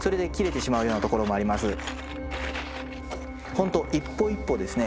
ほんと一歩一歩ですね